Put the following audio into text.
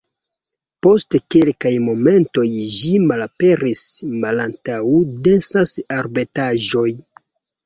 Post kelkaj momentoj ĝi malaperis malantaŭ densaj arbetaĵoj.